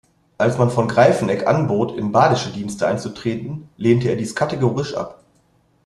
Als man von Greiffenegg anbot, in badische Dienste einzutreten, lehnte er dies kategorisch ab.